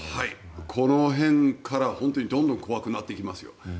この辺から本当にどんどん怖くなっていきますよ。